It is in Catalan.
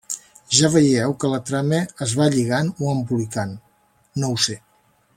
Ja veieu que la trama es va lligant, o embolicant, no ho sé.